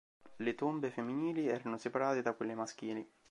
Le tombe femminili erano separate da quelle maschili.